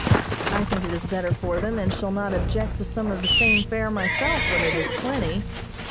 I think it is better for them, and shall not object to some of the same fare myself when it is plenty.